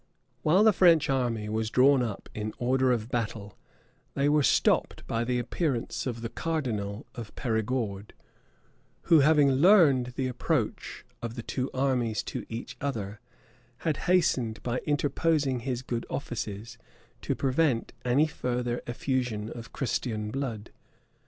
While the French army was drawn up in order of battle, they were stopped by the appearance of the cardinal of Perigord; who, having learned the approach of the two armies to each other, had hastened, by interposing his good offices, to prevent any further effusion of Christian blood.